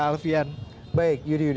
alvian baiklah terima kasih